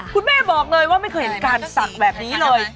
คุณแม่บอกเลยว่าไม่เคยเห็นการศักดิ์แบบนี้เลย